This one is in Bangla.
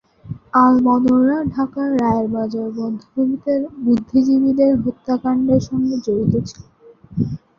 আল-বদররা ঢাকার রায়েরবাজার বধ্যভূমিতে বুদ্ধিজীবীদের হত্যাকাণ্ডের সঙ্গে জড়িত ছিল।